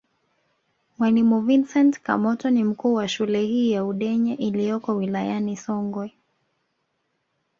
Mwalimu Vincent Kamoto ni mkuu wa shule hii ya Udenye iliyoko wilayani Songwe